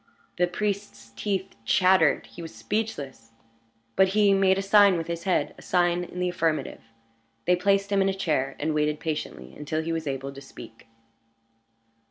The priest's teeth chattered he was speechless. But he made a sign with his head a sign in the affirmative. They placed him in a chair, and waited patiently until he was able to speak.